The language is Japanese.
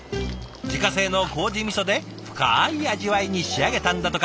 自家製のこうじみそで深い味わいに仕上げたんだとか。